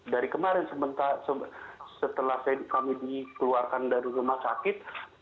dari kemarin setelah kami dikeluarkan dari rumah sakit